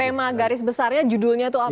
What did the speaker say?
tema garis besarnya judulnya itu apa